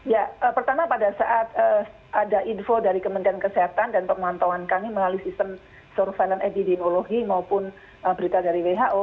ya pertama pada saat ada info dari kementerian kesehatan dan pemantauan kami melalui sistem surveillance epidemiologi maupun berita dari who